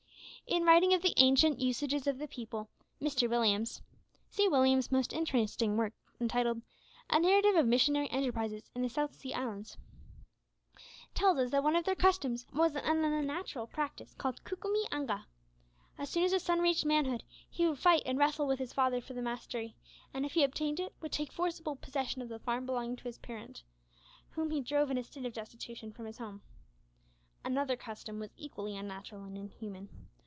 In writing of the ancient usages of the people, Mr Williams, [See Williams' most interesting work, entitled "A Narrative of Missionary Enterprises in the South Sea Islands"], tells us that one of their customs was an unnatural practice called Kukumi anga. As soon as a son reached manhood, he would fight and wrestle with his father for the mastery, and if he obtained it, would take forcible possession of the farm belonging to his parent, whom he drove in a state of destitution from his home. Another custom was equally unnatural and inhuman.